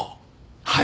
はい。